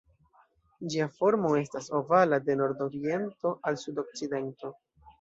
Ĝia formo estas ovala, de nord-oriento al sud-okcidento.